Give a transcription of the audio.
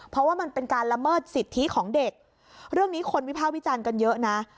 เพราะว่ามันเป็นการละเมิดสิทธิของเด็กเรื่องนี้คนวิภาควิจารณ์กันเยอะนะ